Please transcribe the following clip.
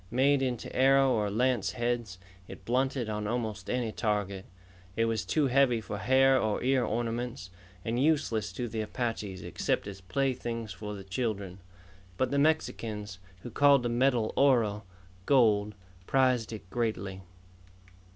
Made into arrow or lance heads, it blunted on almost any target. It was too heavy for hair or ear ornaments, and useless to the Apaches except as playthings for the children. But the Mexicans, who called the metal oro gold prized it greatly.